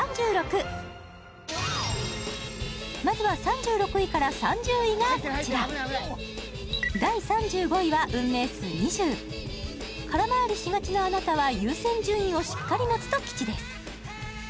まずは３６位から３０位がこちら第３５位は運命数２０空回りしがちなあなたは優先順位をしっかり持つと吉です